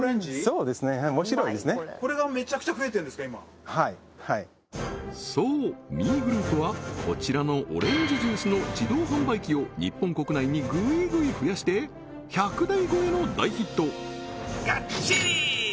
そうですねもちろんですねはいはいそうＭＥＧｒｏｕｐはこちらのオレンジジュースの自動販売機を日本国内にぐいぐい増やして１００台超えの大ヒット！